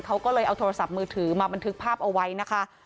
เขาก็เลยเอาโทรศัพท์มือถือมาบันทึกภาพเอาไว้นะคะ